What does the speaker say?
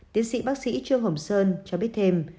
tiến sĩ bác sĩ trương hồng sơn cho biết thêm